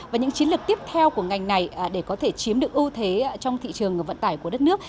và những chiến lược tiếp theo của ngành này để có thể chiếm được ưu thế trong thị trường vận tải của đất nước